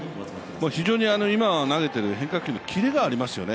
非常に、今投げている変化球のキレがありますよね。